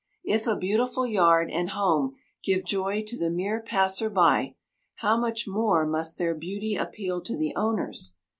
If a beautiful yard and home give joy to the mere passer by, how much more must their beauty appeal to the owners.